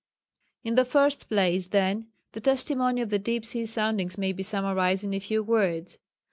In the first place, then, the testimony of the deep sea soundings may be summarized in a few words.